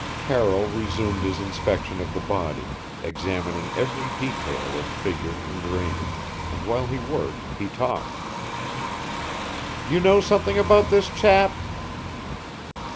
Carroll resumed his inspection of the body, examining every detail of figure and raiment; and while he worked he talked. "You know something about this chap?"